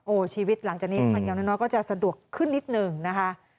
โอ้โหชีวิตหลังจากนี้อย่างน้อยก็จะสะดวกขึ้นนิดหนึ่งนะคะ